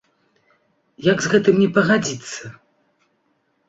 Як з гэтым не пагадзіцца!